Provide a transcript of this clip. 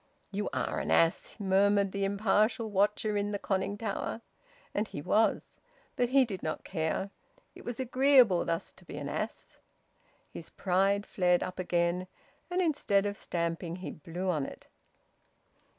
"You are an ass!" murmured the impartial watcher in the conning tower. And he was. But he did not care. It was agreeable thus to be an ass... His pride flared up again, and instead of stamping he blew on it.